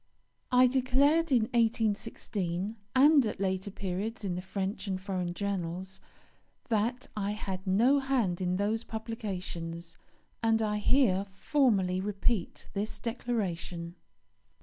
I declared in 1816, and at later periods in the French and foreign journals, that I had no hand in those publications, and I here formally repeat this declaration.